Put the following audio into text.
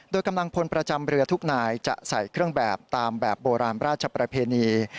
โดยกำลังพลประจำเรือทุกนายจะใส่เครื่องแบบตามแบบโบราณราชประเพณี